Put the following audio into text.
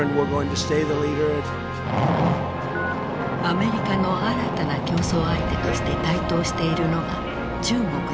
アメリカの新たな競争相手として台頭しているのが中国である。